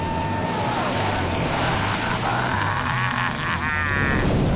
ハハハハ！